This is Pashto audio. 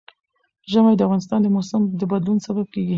ژمی د افغانستان د موسم د بدلون سبب کېږي.